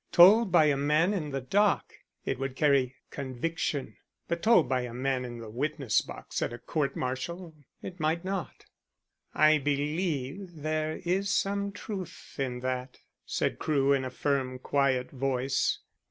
Told by a man in the dock it would carry conviction; but told by a man in the witness box at a court martial it might not." "I believe there is some truth in that," said Crewe, in a firm, quiet voice.